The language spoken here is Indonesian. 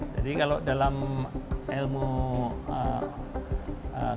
jadi kalau dalam ilmu psikologi